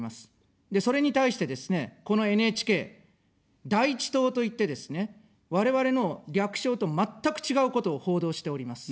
それに対してですね、このＮＨＫ、第一党と言ってですね、我々の略称と全く違うことを報道しております。